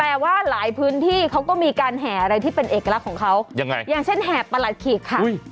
แต่ว่าหลายพื้นที่เขาก็มีการแห่อะไรที่เป็นเอกลักษณ์ของเขายังไงอย่างเช่นแห่ประหลัดขีกค่ะ